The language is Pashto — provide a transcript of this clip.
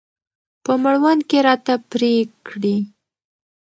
په مړوند کې راته پرې کړي.